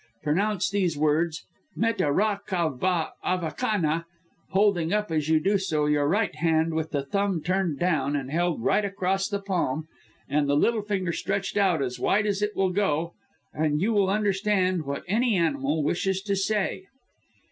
Pronounce these words "Meta ra ka va Avakana," holding up, as you do so, your right hand with the thumb turned down and held right across the palm, and the little finger stretched out as wide as it will go, and you will understand what any animal wishes to say.'